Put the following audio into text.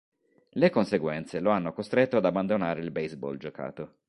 Le conseguenze lo hanno costretto ad abbandonare il baseball giocato.